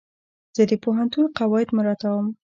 زه د پوهنتون قواعد مراعتوم.